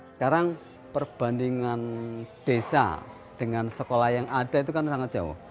sekarang perbandingan desa dengan sekolah yang ada itu kan sangat jauh